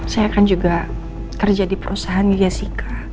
saya kan juga kerja di perusahaan jessica